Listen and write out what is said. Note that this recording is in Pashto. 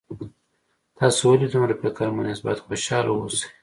تاسو ولې دومره فکرمن یاست باید خوشحاله اوسئ